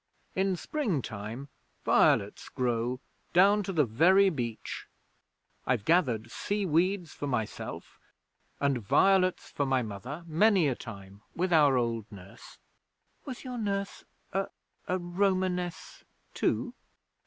In spring time violets grow down to the very beach. I've gathered sea weeds for myself and violets for my Mother many a time with our old nurse.' 'Was your nurse a a Romaness too?'